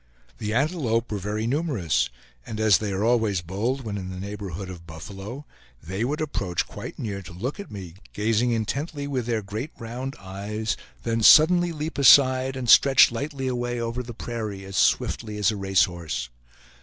The antelope were very numerous; and as they are always bold when in the neighborhood of buffalo, they would approach quite near to look at me, gazing intently with their great round eyes, then suddenly leap aside, and stretch lightly away over the prairie, as swiftly as a racehorse.